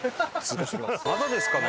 まだですかね？